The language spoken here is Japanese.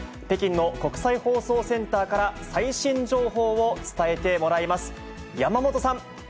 北京の国際放送センターから最新情報を伝えてもらいます。